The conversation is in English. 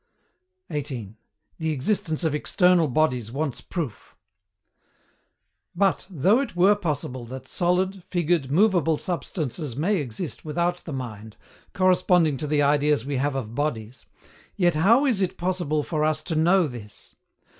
18. THE EXISTENCE OF EXTERNAL BODIES WANTS PROOF. But, though it were possible that solid, figured, movable substances may exist without the mind, corresponding to the ideas we have of bodies, yet HOW IS IT POSSIBLE FOR US TO KNOW THIS?